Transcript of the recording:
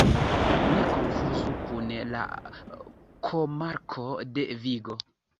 Ne konfuzu kun la komarko de Vigo.